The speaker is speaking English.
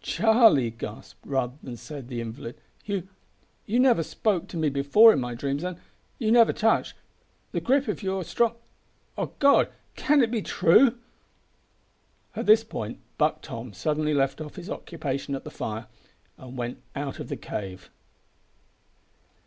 "Charlie!" gasped, rather than said, the invalid, "you you never spoke to me before in my dreams, and you never touched the grip of your strong h O God! can it be true?" At this point Buck Tom suddenly left off his occupation at the fire and went out of the cave.